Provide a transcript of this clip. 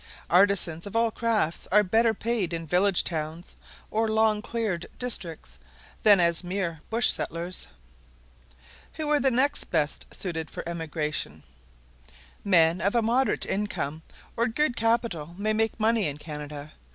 Artisans of all crafts are better paid in village towns, or long cleared districts, than as mere bush settlers. "Who are the next best suited for emigration?" Men of a moderate income or good capital may make money in Canada.